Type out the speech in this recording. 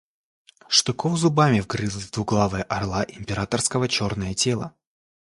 Штыков зубами вгрызлась в двуглавое орла императорского черное тело.